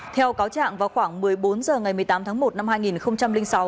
theo cáo trạng vào khoảng một mươi bốn h ngày một mươi tám tháng một năm hai nghìn sáu